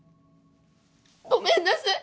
ごめんなさい。